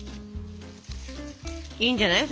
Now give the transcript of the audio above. いいんじゃない？